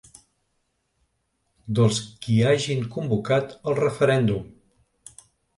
Dels qui hagin convocat el referèndum.